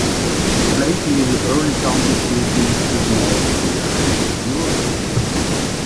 Blakely, the Early County seat, is to the north via Jakin Road.